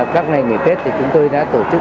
các ngày nghỉ tết thì chúng tôi đã tổ chức